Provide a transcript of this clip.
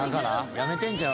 やめてんちゃう？